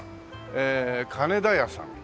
ええ金田屋さん。